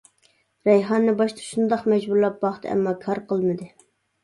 رەيھاننى باشتا شۇنداق مەجبۇرلاپ باقتى، ئەمما كار قىلمىدى.